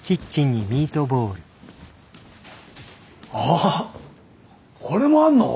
ああっこれもあるの？